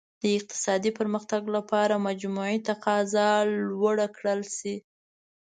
د اقتصادي پرمختګ لپاره مجموعي تقاضا لوړه کړل شي.